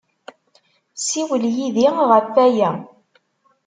Ssiwel yid-i ɣef waya.